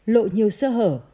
lộ nhiều sơ hở